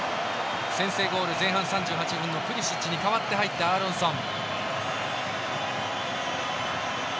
先制ゴール前半３８分のプリシッチに代わって入ったアーロンソン。